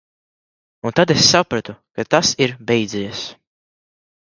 Un tad es sapratu, ka tas ir beidzies.